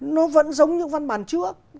nó vẫn giống như văn bản trước